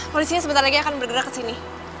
polisinya sebentar lagi akan bergerak ke sini